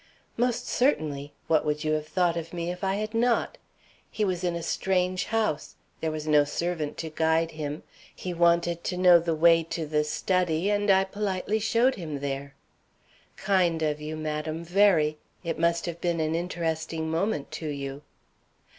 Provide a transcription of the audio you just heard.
"Most certainly! What would you have thought of me if I had not? He was in a strange house; there was no servant to guide him, he wanted to know the way to the study, and I politely showed him there." "Kind of you, madam, very. It must have been an interesting moment to you."